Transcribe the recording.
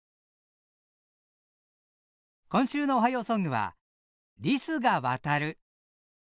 今週の「おはようソング」は「リスがわたる」。